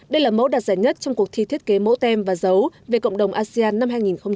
đây là mẫu đạt giải nhất trong cuộc thi thiết kế mẫu tem và dấu về cộng đồng asean năm hai nghìn hai mươi